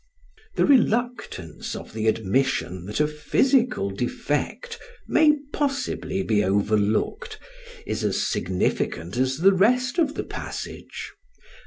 ] The reluctance of the admission that a physical defect may possibly be overlooked is as significant as the rest of the passage.